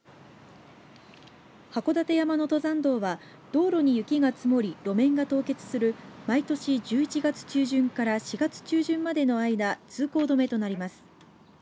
函館山の登山道は道路に雪が積もり路面が凍結する毎年１１月中旬から４月中旬までの間、通行止めとなります。